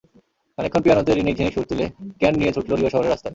খানিকক্ষণ পিয়ানোতে রিনিকঝিনিক সুর তুলে ক্যান নিয়ে ছুটল রিও শহরের রাস্তায়।